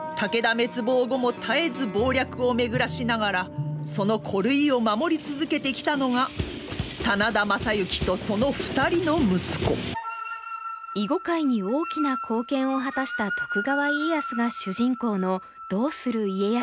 滅亡後も絶えず謀略を巡らしながらその孤塁を守り続けてきたのが真田昌幸とその２人の息子囲碁界に大きな貢献を果たした徳川家康が主人公の「どうする家康」。